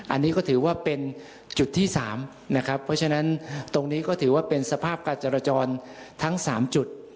อันนี้ก็ถือว่าเป็นจุดที่๓นะครับเพราะฉะนั้นตรงนี้ก็ถือว่าเป็นสภาพการจราจรทั้ง๓จุด